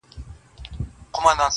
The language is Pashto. پر اوښتي تر نیوي وه زیات کلونه-